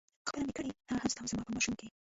او خپله مې کړې هغه هم ستا او زما په ماشوم کې.